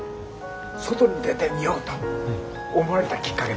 外に出てみようと思われたきっかけ